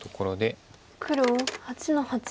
黒８の八。